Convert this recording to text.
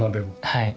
はい。